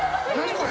これ。